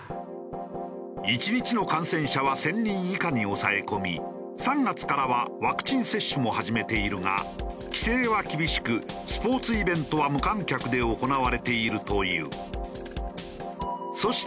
１日の感染者は１０００人以下に抑え込み３月からはワクチン接種も始めているが規制は厳しくスポーツイベントは無観客で行われているという。